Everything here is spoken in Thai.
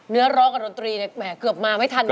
เนื้อร้องกับดนตรีเนี่ยแหมเกือบมาไม่ทันเลย